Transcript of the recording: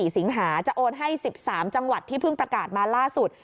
สิงหาจะโอนให้๑๓จังหวัดที่เพิ่งประกาศมาล่าสุด